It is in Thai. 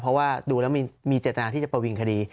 เพราะว่าดูแล้วมีเจตนาที่จะประวิงคดี